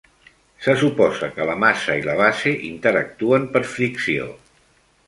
Se suposa que la massa i la base interactuen per fricció.